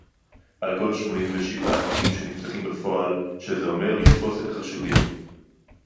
על כל שמונים ושבעה תיקים שנפתחים בפועל - שזה אומר לתפוס את החשודים